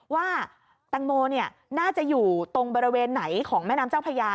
ว่าแตงโมน่าจะอยู่ตรงบริเวณไหนของแม่น้ำเจ้าพญา